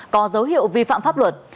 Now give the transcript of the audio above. có dấu hiệu vi phạm pháp luật